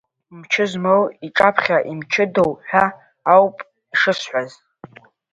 Мчы змоу иҿаԥхьа имчыдоу ҳәа ауп ишысҳәаз.